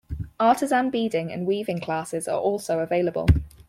Artisan beading and weaving classes are also available.